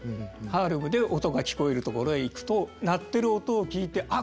ハーレムで音が聞こえるところへ行くと鳴ってる音を聞いてあ